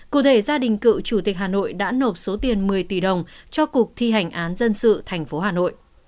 cụ thể gia đình cựu chủ tịch hà nội đã nộp số tiền một mươi tỷ đồng cho cục thi hành án dân sự tp hà nội